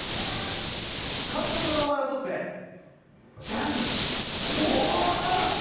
監督の名前を取って、ジャニおー！